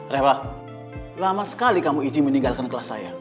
reva lama sekali kamu izin meninggalkan kelas saya